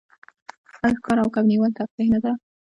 آیا ښکار او کب نیول تفریح نه ده؟